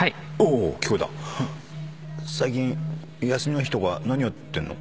最近休みの日とか何やってんの？